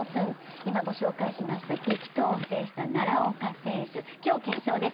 今御紹介しました激闘を制した奈良岡選手、今日決勝です。